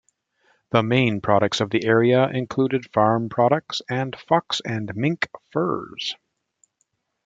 The main products of the area include farm products and fox and mink furs.